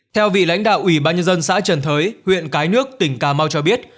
theo vị lãnh đạo ủy ban nhân dân xã trần thới huyện cái nước tỉnh cà mau cho biết